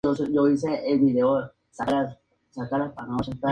Tuvo puente levadizo sobre un foso ya cegado.